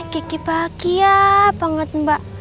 kiki bahagia banget mbak